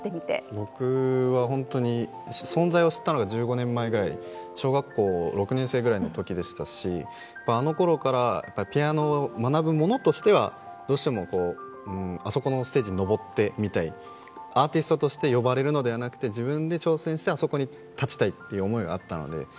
僕は本当に存在を知ったのが１５年前くらい小学校６年生くらいの時でしたしあのころからピアノを学ぶ者としてはどうしてもあそこのステージに上ってみたいアーティストとして呼ばれるのではなくて自分で挑戦してあそこに立ちたいっていう思いがあったので。